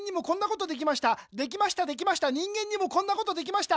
できましたできました人間にもこんなことできました。